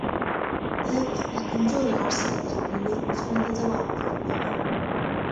ده په خپل کمزوري غږ سره د خپلې لور پوښتنو ته ځواب ورکاوه.